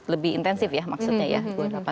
lebih intensif ya maksudnya ya dua puluh delapan